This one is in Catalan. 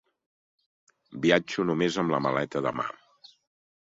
Viatjo només amb la maleta de mà.